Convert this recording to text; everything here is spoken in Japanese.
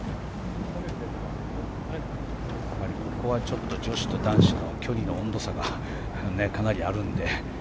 ここはちょっと女子と男子の距離の温度差がかなりあるんで。